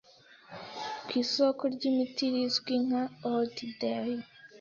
ku isoko ry'imiti rizwi nka 'old Delhi',